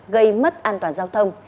gây mất an toàn giao thông